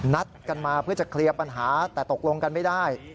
นัดกันมาเพื่อจะเคลียร์ปัญหาแต่ตกลงกันไม่ได้